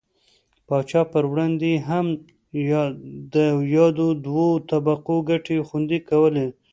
پاچا پر وړاندې یې هم د یادو دوو طبقو ګټې خوندي کولې.